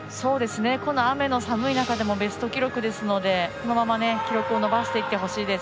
この雨の寒い中でもベスト記録ですのでこのまま記録を伸ばしていってほしいです。